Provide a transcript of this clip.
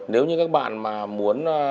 nếu như các bạn mà muốn